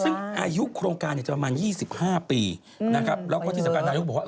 ซึ่งอายุโครงการเนี่ยจะประมาณ๒๕ปีนะครับแล้วก็ที่สำคัญนายกบอกว่า